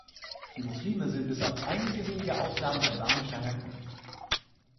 Die Muslime sind bis auf einige wenige Ausnahmen albanischer Herkunft.